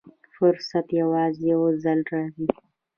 فرصت یوازې یو ځل راځي.